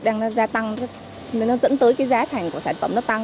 đang gia tăng dẫn tới giá thành của sản phẩm tăng